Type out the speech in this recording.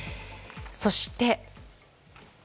そして